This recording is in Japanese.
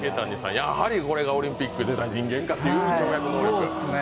やはりこれがオリンピック出た人間かという跳躍。